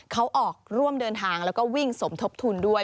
เขาออกร่วมเดินทางแล้วก็วิ่งสมทบทุนด้วย